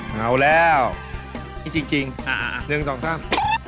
เหงาแล้วมีจริงจริงอ่าหนึ่งสองสาม